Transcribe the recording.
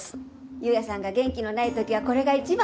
夕也さんが元気のないときはこれが一番。